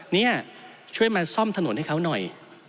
นี่ช่วยมาซ่อมถนนให้เขาหน่อย